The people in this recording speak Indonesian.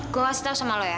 gue kasih tau sama lo ya